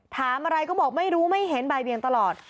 ถามอะไรก็บอกไม่รู้ไม่เห็นบ่ายเบียงตลอด